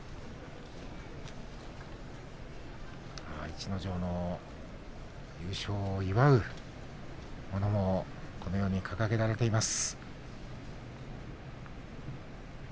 逸ノ城の優勝を祝うものもこのように掲げられています。